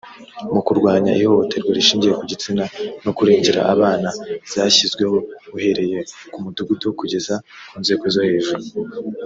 mu kurwanya ihohoterwa rishingiye ku gitsina no kurengera abana, zashyizweho uhereye ku mudugudu kugeza ku nzego zo hejuru